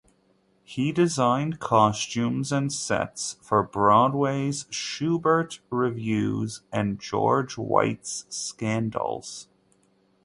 He designed costumes and sets for Broadway's Shubert Revues and George White's Scandals.